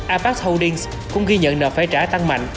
apac holdings cũng ghi nhận nợ phải trả tăng mạnh